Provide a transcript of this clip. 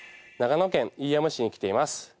長野県飯山市に来ています。